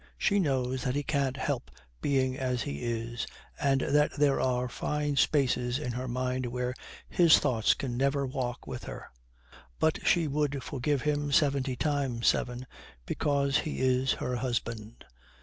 She knows that he can't help being as he is, and that there are fine spaces in her mind where his thoughts can never walk with her. But she would forgive him seventy times seven because he is her husband.